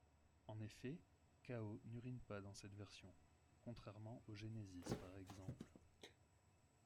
En effet, Chaos n'urine pas dans cette version, contrairement au Genesis par exemple.